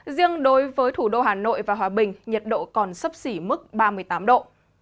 riêng đối với thủ đô hà nội và hòa bình nhiệt độ còn sấp xỉ mức ba mươi tám độ